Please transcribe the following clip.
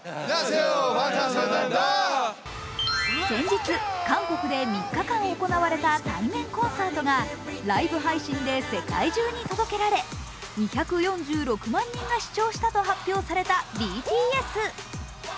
先日、韓国で３日間行われた対面コンサートが、ライブ配信で世界中に届けられ、２４６万人が視聴したと発表されたＢＴＳ。